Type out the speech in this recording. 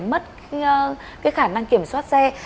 mất khả năng kiểm soát xe